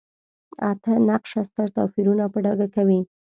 اته نقشه ستر توپیرونه په ډاګه کوي.